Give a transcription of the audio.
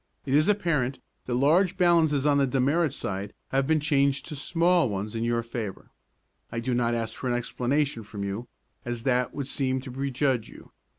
It is apparent that large balances on the demerit side have been changed to small ones in your favor. I do not ask for an explanation from you, as that would seem to prejudge you.